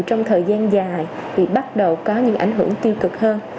trong thời gian dài thì bắt đầu có những ảnh hưởng tiêu cực hơn